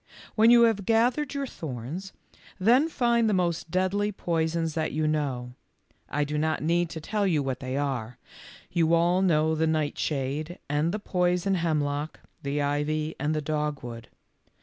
When you have gathered your thorns, then find the most deadly poisons that you know. I do not need to tell you what they are. You all know the nightshade and the poison hemlock, the ivy and the dogwood.